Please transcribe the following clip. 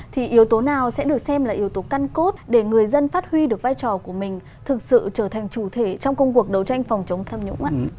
thì yếu tố nào sẽ được xem là yếu tố căn cốt để người dân phát huy được vai trò của mình thực sự trở thành chủ thể trong công cuộc đấu tranh phòng chống thâm nhũng